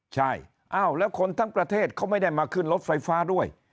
ใช่อ้าวแล้วคนทั้งประเทศเขาไม่ได้มาขึ้นรถไฟฟ้าด้วย